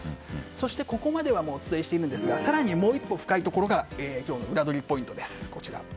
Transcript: そして、ここまではもうお伝えしているんですが更にもう一歩深いところが今日のウラどりポイントです。